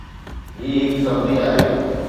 هي هڪ سبزي آهي